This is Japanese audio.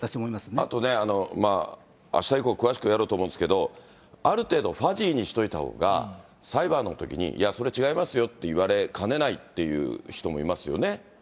あとね、あした以降、詳しくやろうと思うんですけど、ある程度、ファジーにしといたほうが、裁判のときに、いや、それ、違いますよって言われかねないっていう人もいますよね。